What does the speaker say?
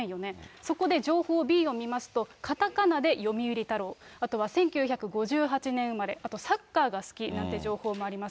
そこで、情報Ｂを見ますと、カタカナでヨミウリタロウ、あとは１９５８年生まれ、あとサッカーが好きなんて情報もあります。